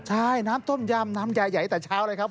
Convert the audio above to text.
ใช่น้ำต้มยำน้ำใหญ่แต่เช้าเลยครับ